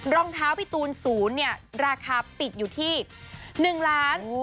รองเท้าพี่ตูนศูนย์เนี่ยราคาติดอยู่ที่๑๒๓๔๕๖๗บาท